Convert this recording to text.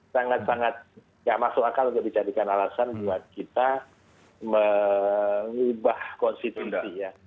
sangat sangat tidak masuk akal untuk dijadikan alasan buat kita mengubah konstitusi ya